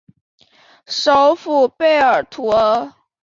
首府贝尔图阿。